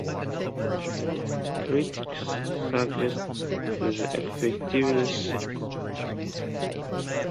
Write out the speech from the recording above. Critics suggest the effectiveness is much lower.